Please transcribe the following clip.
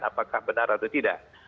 apakah benar atau tidak